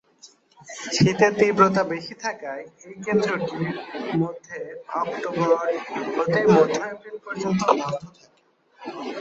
শীতের তীব্রতা বেশি থাকায় এই কেন্দ্রটি মধ্যে অক্টোবর হতে মধ্য এপ্রিল পর্যন্ত বন্ধ থাকে।